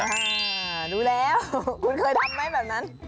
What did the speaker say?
อ่าดูแล้วคุณเคยทำไหมแบบนั้น